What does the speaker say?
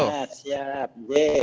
salam sehat siap ibu